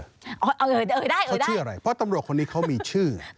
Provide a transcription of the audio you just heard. เอาเลยเอ่ยได้เหรอเขาชื่ออะไรเพราะตำรวจคนนี้เขามีชื่อ